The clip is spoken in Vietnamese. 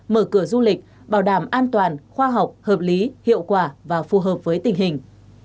mở cửa du lịch bảo đảm an toàn khoa học hợp lý hiệu quả và phù hợp với tình hình